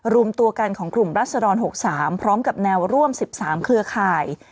รวมตัวกันของกลุ่มรัศดร๖๓พร้อมกับแนวร่วม๑๓เครือข่าย